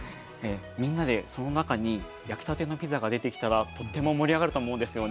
みんなでその中に焼きたてのピザが出てきたらとっても盛り上がると思うんですよね。